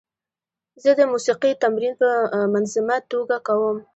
زه د موسیقۍ تمرین په منظمه توګه کوم.